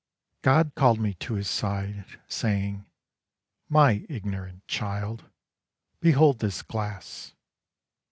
III. OD called me to his side Saying, My ignorant child, behold this glass.